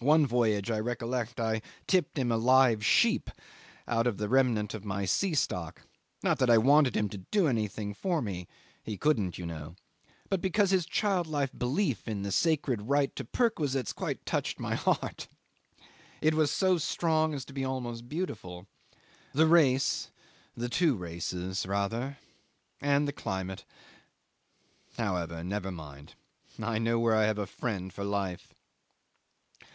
One voyage, I recollect, I tipped him a live sheep out of the remnant of my sea stock: not that I wanted him to do anything for me he couldn't, you know but because his childlike belief in the sacred right to perquisites quite touched my heart. It was so strong as to be almost beautiful. The race the two races rather and the climate ... However, never mind. I know where I have a friend for life.